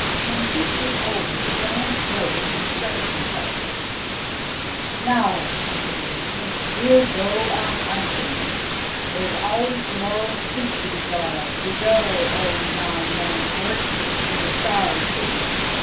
When the feast was over, the giants rose and stretched themselves. 100 BASHTCHELIK 'Now,' said the biggest one, 'we'll go a hunting. There's always to morrow's feast to be thought of. We go, O Nine Man Mord, to the Tsar's city.